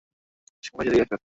সুমেশ, এদিকে আসো।